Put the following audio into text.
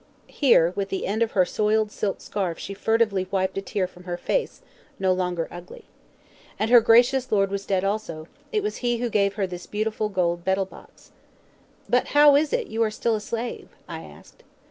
(Here, with the end of her soiled silk scarf she furtively wiped a tear from her face, no longer ugly.) And her gracious lord was dead also; it was he who gave her this beautiful gold betel box. "But how is it that you are still a slave?" I asked.